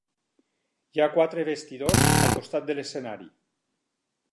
Hi ha quatre vestidors al costat de l'escenari.